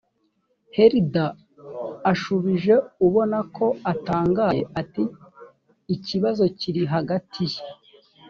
heather ashubije ubona ko atangaye ati ikibazo kiri hagati ye